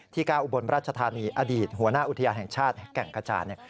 ธิกาอุบรรณรัชธานีอดีตหัวหน้าอุทยาแห่งชาติแก่งกระจ่า